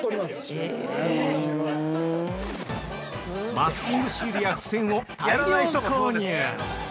◆マスキングシールや付箋を大量購入。